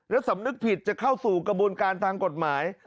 แล้วสำนึกผิดจะเข้าสู่กระบวนการทางกฎหมาย